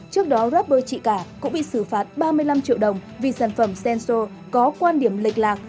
trước đó rapper chị cả cũng bị xử phạt ba mươi năm triệu đồng vì sản phẩm sensor có quan điểm lệch lạc